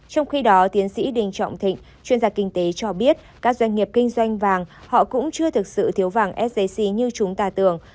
trong khi đó tiến sĩ đinh trọng thịnh chuyên gia kinh tế cho biết các doanh nghiệp kinh doanh vàng họ cũng chưa thực sự thiếu vàng sjc như chúng ta tưởng